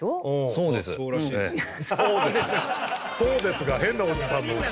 「そうです」が変なおじさんの「そうです」。